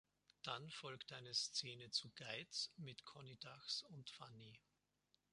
Dann folgt eine Szene zu „Geiz“ mit Conny Dachs und Fanny.